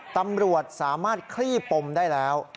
ตำรวจสามารถคลี่ปมได้แล้ว